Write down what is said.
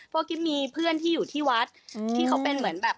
เพราะกิ๊บมีเพื่อนที่อยู่ที่วัดที่เขาเป็นเหมือนแบบ